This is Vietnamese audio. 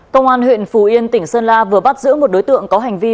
công an huyện phú yên tỉnh sơn la vừa bắt giữ một đối tượng có hành vi